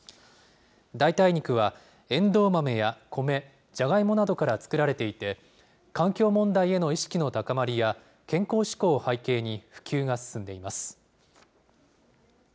代替肉はエンドウ豆やコメ、ジャガイモなどから作られていて、環境問題への意識の高まりや、健康志向を背景に普及が進んでいます。